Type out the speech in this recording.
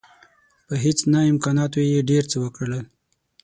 په هیڅ نه امکاناتو یې ډېر څه وکړل.